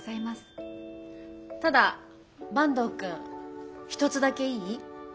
ただ坂東くん一つだけいい？